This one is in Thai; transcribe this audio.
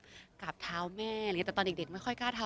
บางทีเค้าแค่อยากดึงเค้าต้องการอะไรจับเราไหล่ลูกหรือยังไง